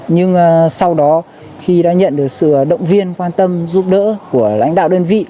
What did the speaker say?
nhưng sau đó khi đã nhận được sự động viên quan tâm giúp đỡ của lãnh đạo đơn vị